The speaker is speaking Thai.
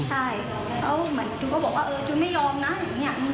ใช่เขาเหมือนจูย์ก็บอกว่าเออจูย์ไม่ยอมนะอย่างเงี้ยอืม